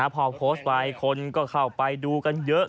พอโพสต์ไปคนก็เข้าไปดูกันเยอะ